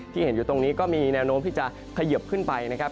ที่เห็นอยู่ตรงนี้ก็มีแนวโน้มที่จะเขยิบขึ้นไปนะครับ